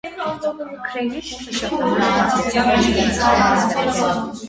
Քրեյնի փորձը շատ նման է պատմության մեջ նկարագրված դեպքերին։